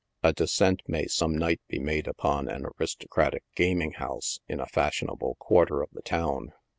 A descent may some night bo made upon an aristocratic gaming house, in a fashionable quarter of the town.